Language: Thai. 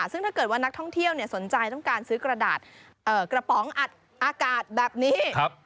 สนใจต้องการซื้อกระดาษกระป๋องอัดอากาศแบบนี้